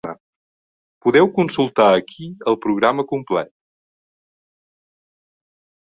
Podeu consultar aquí el programa complet.